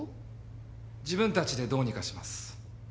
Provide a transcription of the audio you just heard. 自分たちでどうにかします。